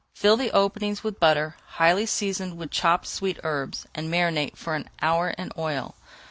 Fill the openings with butter highly seasoned with chopped sweet herbs, and marinate for an hour in oil.